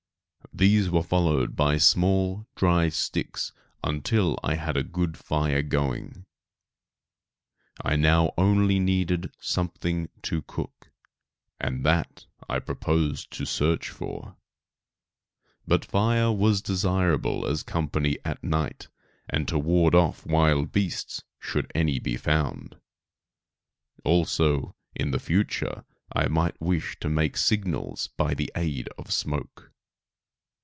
These were followed by small dry sticks until I had a good fire going. I now only needed something to cook, and that I proposed to search for. But fire was desirable as company at night, and to ward off wild beasts should any be found; also in the future I might wish to make signals by the aid of smoke.